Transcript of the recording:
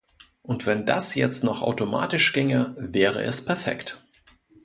Und wenn das jetzt noch automatisch ginge, wäre es perfekt!